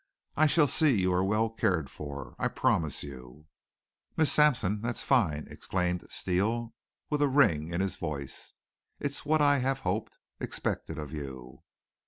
"I shall see you are well cared for. I promise you." "Miss Sampson, that's fine!" exclaimed Steele, with a ring in his voice. "It's what I'd have hoped expected of you..."